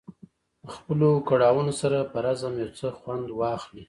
د خپلو کړاوونو سره په رزم یو څه خوند واخلي.